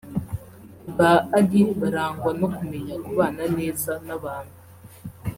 Ba Aly barangwa no kumenya kubana neza n’abantu